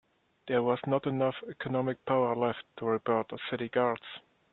There was not enough economic power left to rebuild the city guards.